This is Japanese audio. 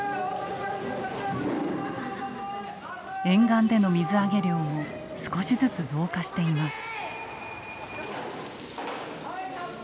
沿岸での水揚げ量も少しずつ増加しています。